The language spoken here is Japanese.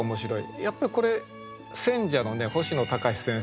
やっぱりこれ選者のね星野高士先生